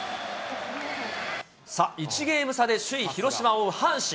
さあ、１ゲーム差で首位広島を追う阪神。